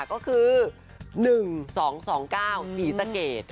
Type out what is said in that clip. ก็คือ๑๒๒๙๔สเกษ